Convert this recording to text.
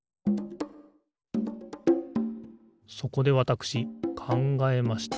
そこでわたしくかんがえました。